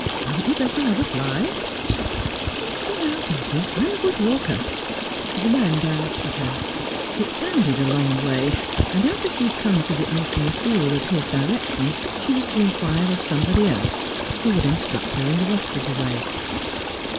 Hadn't you better have a fly ?'' No, thank you, I am a good walker.' The man directed her. It sounded a long way, and after she had come to the Ultima Thule of his direction she was to inquire of somebody else, who would instruct her in the rest of the way.